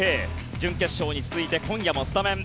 準決勝に続いて今夜もスタメン。